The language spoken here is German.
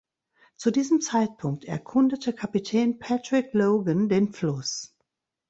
Zu diesem Zeitpunkt erkundete Kapitän Patrick Logan den Fluss.